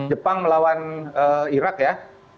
jepang melawan irak ya